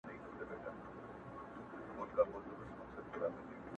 کلي ورو ورو بدلېږي ډېر